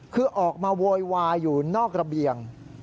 คือออกมาโวยวายอยู่นอกระเบียง